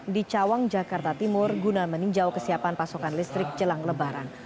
di cawang jakarta timur guna meninjau kesiapan pasokan listrik jelang lebaran